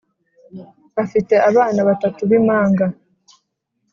afite abana batatu bimanga.